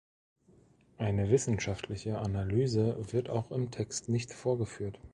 Eine wissenschaftliche Analyse wird auch im Text nicht vorgeführt.